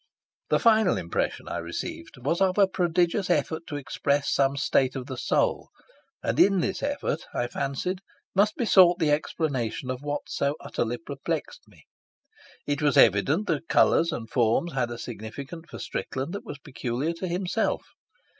The final impression I received was of a prodigious effort to express some state of the soul, and in this effort, I fancied, must be sought the explanation of what so utterly perplexed me. It was evident that colours and forms had a significance for Strickland that was peculiar to himself.